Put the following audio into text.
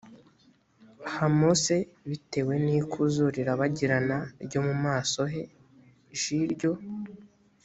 ha mose bitewe n ikuzo rirabagirana ryo mu maso he j iryo